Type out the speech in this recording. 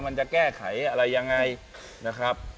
มันจะแก้ไขอะไรยังไงนะครับ